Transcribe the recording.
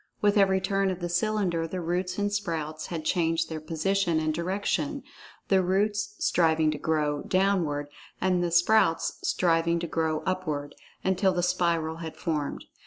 With every turn of the cylinder the roots and sprouts had changed their position and direction—the roots striving to grow "downward," and the sprouts striving to grow "upward"—until the spiral had formed.